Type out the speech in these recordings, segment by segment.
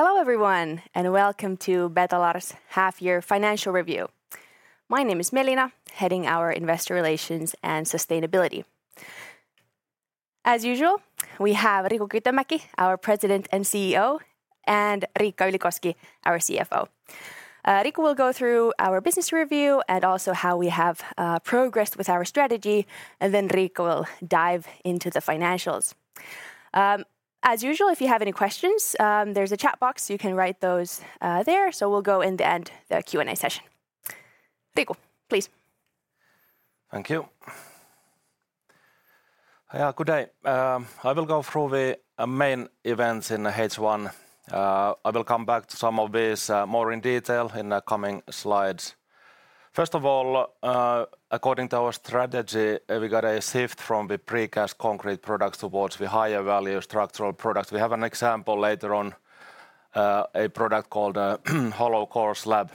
Hello, everyone, and welcome to Betolar's half-year financial review. My name is Melina, heading our Investor Relations and Sustainability. As usual, we have Riku Kytömäki, our President and CEO, and Riikka Ylikoski, our CFO. Riku will go through our business review and also how we have progressed with our strategy, and then Riikka will dive into the financials. As usual, if you have any questions, there's a chat box. You can write those there, so we'll go in the end the Q&A session. Riku, please. Thank you. Yeah, good day. I will go through the main events in the H1. I will come back to some of these more in detail in the coming slides. First of all, according to our strategy, we got a shift from the precast concrete products towards the higher-value structural products. We have an example later on, a product called hollow core slabs.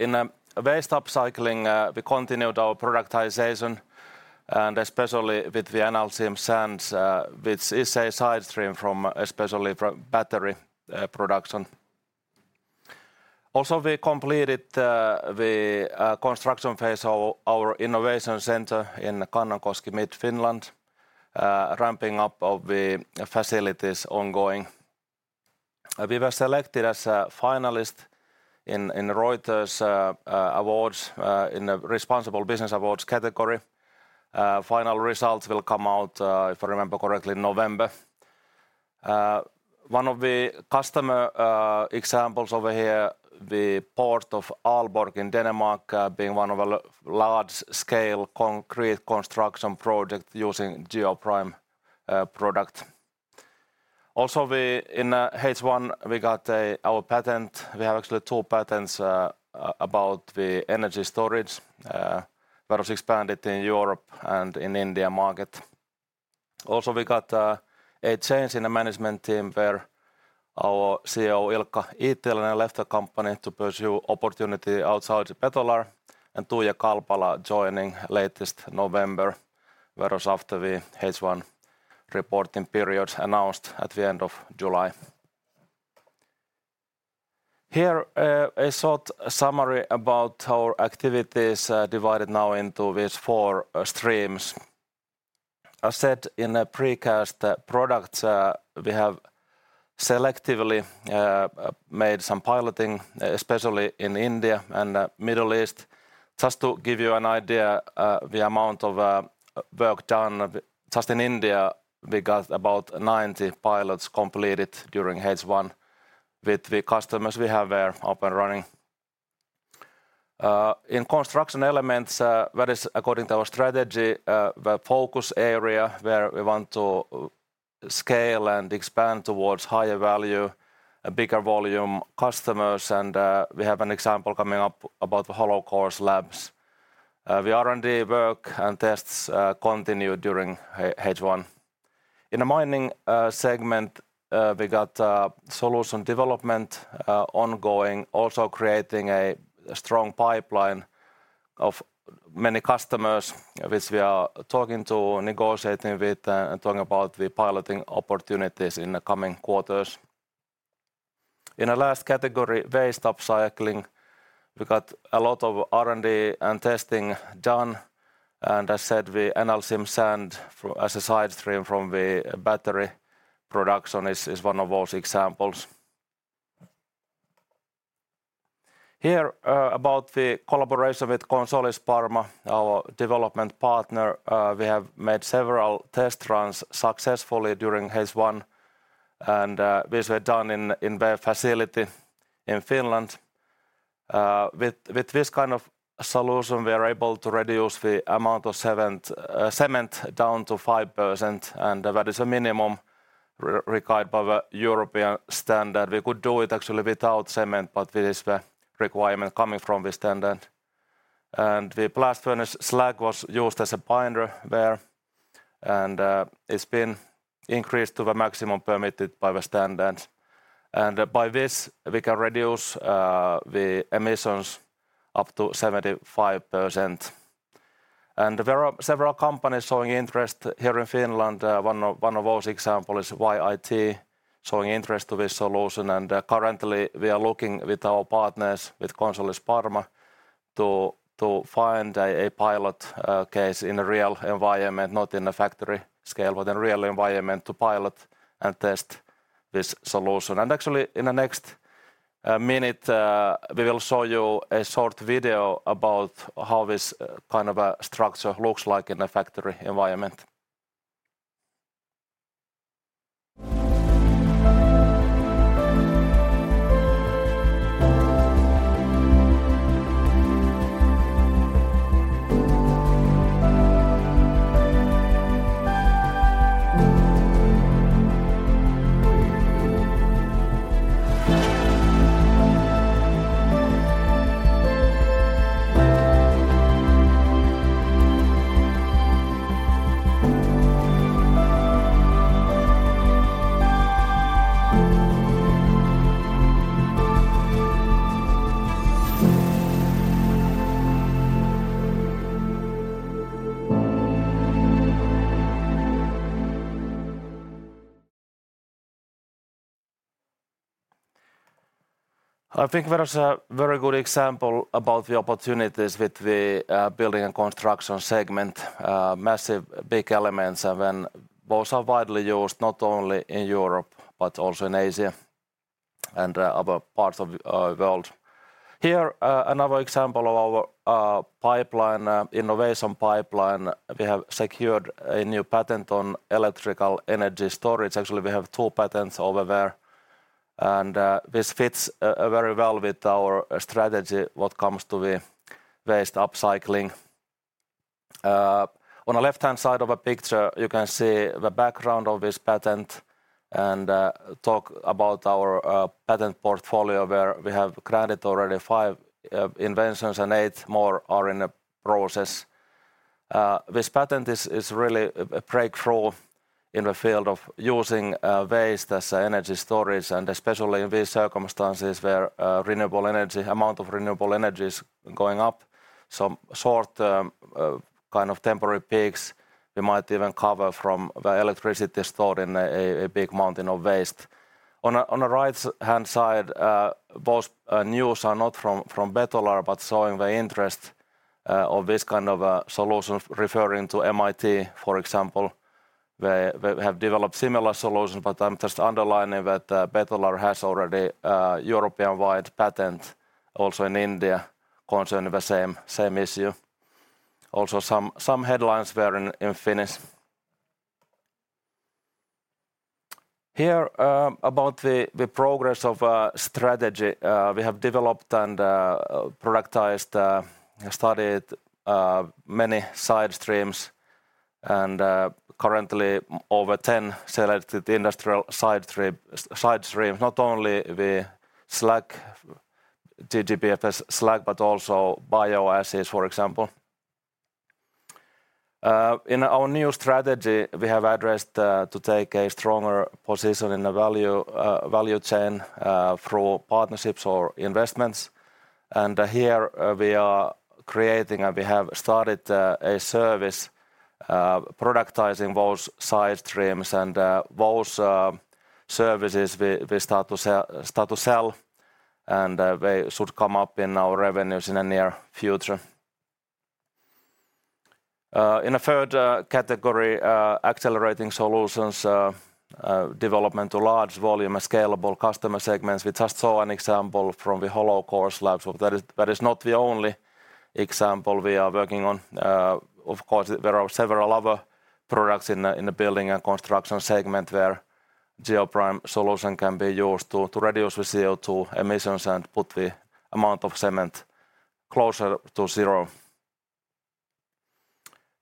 In a Waste upcycling, we continued our productisation, and especially with the analcime sands, which is a side stream from, especially from battery production. Also, we completed the construction phase of our Innovation Centre in Kannonkoski, mid-Finland, ramping up of the facilities ongoing. We were selected as a finalist in Reuters Responsible Business Awards category. Final results will come out, if I remember correctly, November. One of the customer examples over here, the Port of Aalborg in Denmark, being one of a large-scale concrete construction project using Geoprime product. Also, in H1, we got our patent. We have actually two patents about the energy storage that was expanded in Europe and in India market. Also, we got a change in the management team where our COO, Ilkka Iittiläinen, left the company to pursue opportunity outside Betolar, and Tuija Kalpala joining latest November, whereas after the H1 reporting period announced at the end of July. Here, a short summary about our activities, divided now into these four streams. I said in the precast products, we have selectively made some piloting, especially in India and Middle East. Just to give you an idea, the amount of work done, just in India, we got about 90 pilots completed during H1 with the customers we have there up and running. In construction elements, that is according to our strategy, the focus area where we want to scale and expand towards higher value, a bigger volume customers, and we have an example coming up about the hollow core slabs. The R&D work and tests continued during H1. In the mining segment, we got solution development ongoing, also creating a strong pipeline of many customers, which we are talking to, negotiating with, and talking about the piloting opportunities in the coming quarters. In the last category, Waste upcycling, we got a lot of R&D and testing done, and as said, the analcime sand as a side stream from the battery production is one of those examples. Here, about the collaboration with Consolis Parma, our development partner, we have made several test runs successfully during H1, and these were done in their facility in Finland. With this kind of solution, we are able to reduce the amount of cement down to 5%, and that is a minimum required by the European standard. We could do it actually without cement, but it is the requirement coming from the standard. And the blast furnace slag was used as a binder there, and it's been increased to the maximum permitted by the standards. By this, we can reduce the emissions up to 75%. There are several companies showing interest here in Finland. One of, one of those examples is YIT, showing interest to this solution, and currently we are looking with our partners, with Consolis Parma, to find a pilot case in a real environment, not in a factory scale, but in a real environment to pilot and test this solution. Actually, in the next minute, we will show you a short video about how this kind of a structure looks like in a factory environment. I think that is a very good example about the opportunities with the building and construction segment. Massive big elements, and when both are widely used, not only in Europe, but also in Asia and other parts of the world. Here, another example of our pipeline, innovation pipeline. We have secured a new patent on electrical energy storage. Actually, we have two patents over there, and this fits very well with our strategy what comes to the waste upcycling. On the left-hand side of a picture, you can see the background of this patent and talk about our patent portfolio, where we have granted already five inventions and eight more are in the process. This patent is really a breakthrough in the field of using waste as energy storage, and especially in these circumstances, where renewable energy amount of renewable energy is going up. Some short, kind of temporary peaks, we might even cover from the electricity stored in a big mountain of waste. On the right-hand side, both news is not from Betolar, but showing the interest of this kind of solutions, referring to MIT, for example, where they have developed similar solutions. But I'm just underlining that, Betolar has already a European-wide patent, also in India, concerning the same issue. Also, some headlines there in Finnish. Here, about the progress of our strategy. We have developed and productized, studied many side streams and currently over 10 selected industrial side stream-- side stream, not only the slag, GGBFS slag, but also bio-ashes, for example. In our new strategy, we have addressed to take a stronger position in the value chain through partnerships or investments. And here, we are creating, and we have started, a service productizing those side streams. And those services, we start to sell, and they should come up in our revenues in the near future. In the third category, accelerating solutions development to large volume and scalable customer segments, we just saw an example from the hollow core slabs. So that is not the only example we are working on. Of course, there are several other products in the building and construction segment, where Geoprime solution can be used to reduce the CO2 emissions and put the amount of cement closer to zero.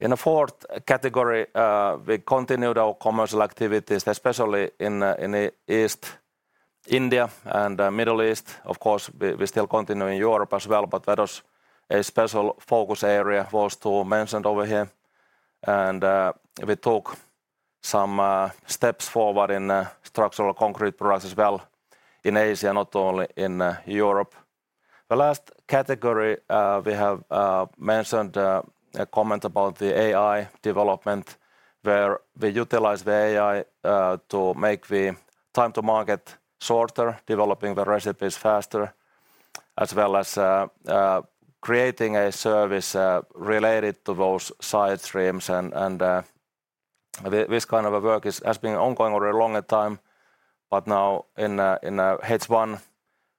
In the fourth category, we continued our commercial activities, especially in India and Middle East. Of course, we still continue in Europe as well, but that was a special focus area was to mention over here. And we took some steps forward in structural concrete products as well in Asia, not only in Europe. The last category, we have mentioned a comment about the AI development, where we utilize the AI to make the time to market shorter, developing the recipes faster, as well as creating a service related to those side streams. This kind of work has been ongoing already a longer time, but now in H1,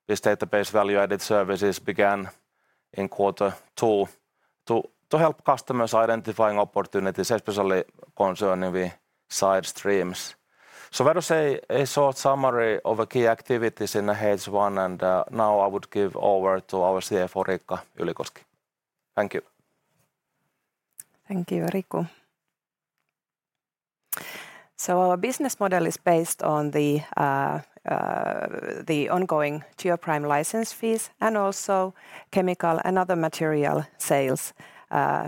this database value-added services began in quarter two, to help customers identifying opportunities, especially concerning the side streams. So that is a short summary of the key activities in the H1, and now I would give over to our CFO, Riikka Ylikoski. Thank you. Thank you, Riku. So, our business model is based on the ongoing Geoprime license fees and also chemical and other material sales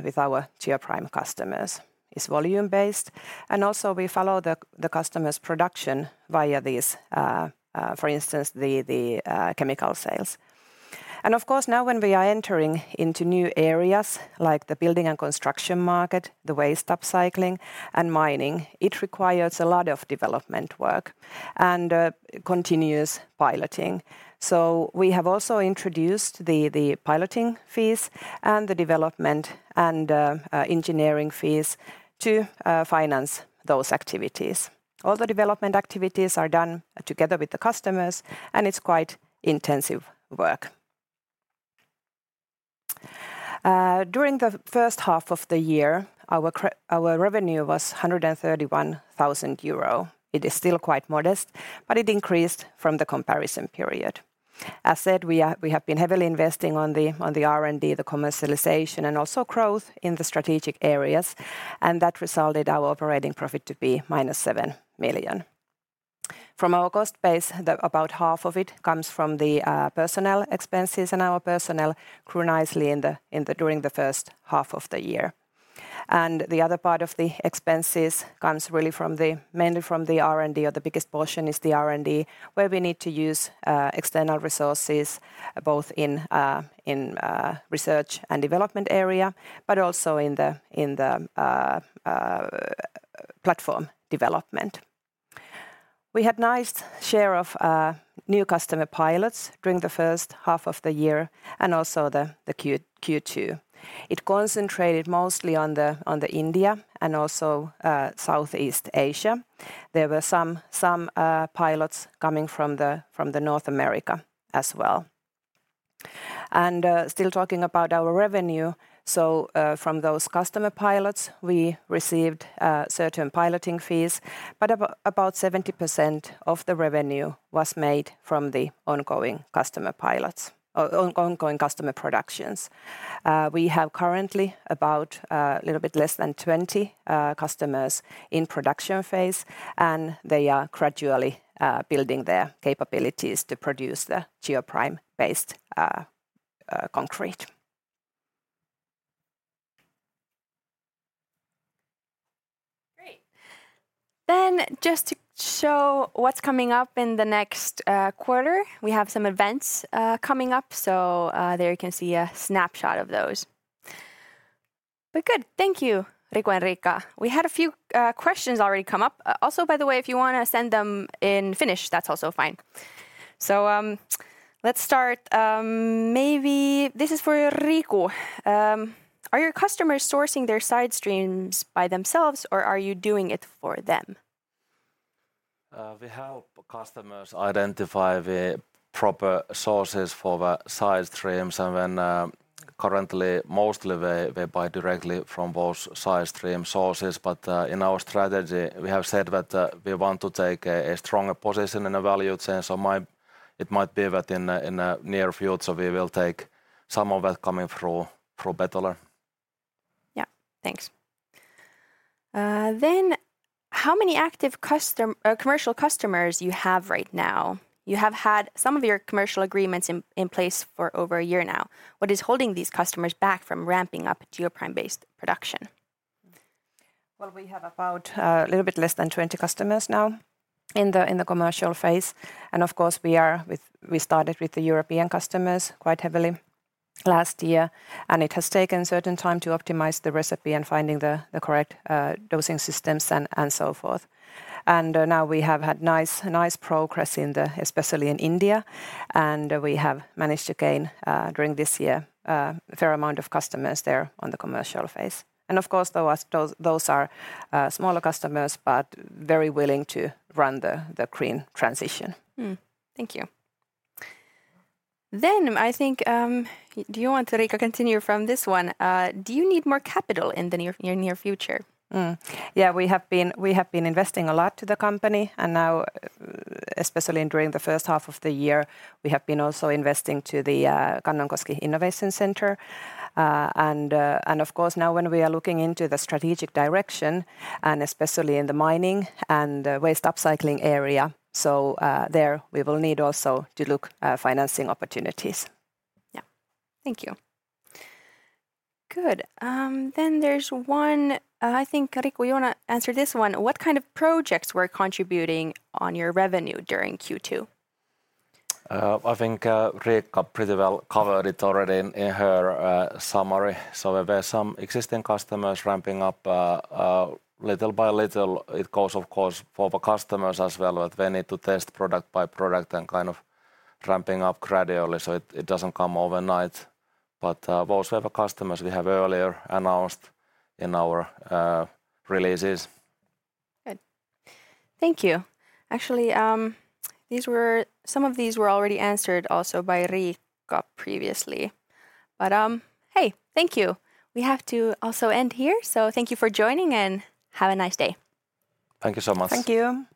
with our Geoprime customers. It's volume-based, and also, we follow the customer's production via these, for instance, the chemical sales. And of course, now when we are entering into new areas, like the building and construction market, the waste upcycling, and mining, it requires a lot of development work and continuous piloting. So, we have also introduced the piloting fees and the development and engineering fees to finance those activities. All the development activities are done together with the customers, and its quite intensive work. During the first half of the year, our revenue was 131,000 euro. It is still quite modest, but it increased from the comparison period. As said, we have been heavily investing on the R&D, the commercialization, and also growth in the strategic areas, and that resulted our operating profit to be minus 7 million. From our cost base, about half of it comes from the personnel expenses, and our personnel grew nicely during the first half of the year. And the other part of the expenses comes really mainly from the R&D, or the biggest portion is the R&D, where we need to use external resources, both in research and development area, but also in the platform development. We had nice share of new customer pilots during the first half of the year, and also the Q2. It concentrated mostly on the India and also Southeast Asia. There were some pilots coming from the North America as well. Still talking about our revenue, so from those customer pilots, we received certain piloting fees, but about 70% of the revenue was made from the ongoing customer pilots, ongoing customer productions. We have currently about little bit less than 20 customers in production phase, and they are gradually building their capabilities to produce the Geoprime-based concrete. Great! Then just to show what's coming up in the next quarter, we have some events coming up, so there you can see a snapshot of those. But good, thank you, Riku and Riikka. We had a few questions already come up. Also, by the way, if you wanna send them in Finnish, that's also fine. So, let's start, maybe this is for Riku. Are your customers sourcing their side streams by themselves, or are you doing it for them? We help customers identify the proper sources for the side streams, and then, currently, mostly they buy directly from those side stream sources. But in our strategy, we have said that we want to take a stronger position in the value chain. So it might be that in the near future, we will take some of that coming through from Betolar. Yeah, thanks. Then, how many active commercial customers you have right now? You have had some of your commercial agreements in place for over a year now. What is holding these customers back from ramping up Geoprime-based production? Well, we have about a little bit less than 20 customers now in the commercial phase, and of course, we started with the European customers quite heavily last year. It has taken certain time to optimize the recipe and finding the correct dosing systems and so forth. Now we have had nice progress especially in India, and we have managed to gain during this year a fair number of customers there on the commercial phase. Of course, those are smaller customers, but very willing to run the green transition. Thank you. Then I think, do you want, Riikka, continue from this one? Do you need more capital in the near, near future? Yeah, we have been investing a lot to the company, and now, especially during the first half of the year, we have been also investing to the Kannonkoski Innovation Centre. And of course, now when we are looking into the strategic direction, and especially in the mining and waste upcycling area, so there we will need also to look at financing opportunities. Yeah. Thank you. Good. Then there's one... I think, Riku, you wanna answer this one. What kind of projects were contributing on your revenue during Q2? I think, Riikka pretty well covered it already in her summary. So there were some existing customers ramping up little by little. It goes, of course, for the customers as well, that they need to test product by product and kind of ramping up gradually, so it doesn't come overnight. But those were the customers we have earlier announced in our releases. Good. Thank you. Actually, some of these were already answered also by Riikka previously. But, hey, thank you. We have to also end here, so thank you for joining, and have a nice day. Thank you so much. Thank you.